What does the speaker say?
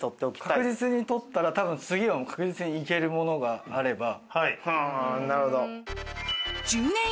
確実に取ったら多分次は確実に行けるものがあれば。